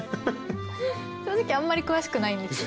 正直あんまり詳しくないんです。